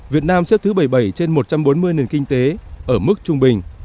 việt nam xếp thứ bảy mươi bảy trên một trăm bốn mươi nền kinh tế ở mức trung bình